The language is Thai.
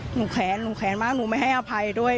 แขนหนูแขนมากหนูไม่ให้อภัยด้วย